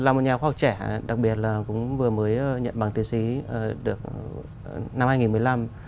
là một nhà khoa học trẻ đặc biệt là cũng vừa mới nhận bằng tiến sĩ được năm hai nghìn một mươi năm